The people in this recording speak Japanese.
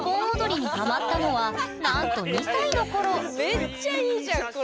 めっちゃいいじゃんこれ。